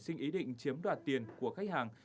xin ý định chiếm đoạt tiền của khách hàng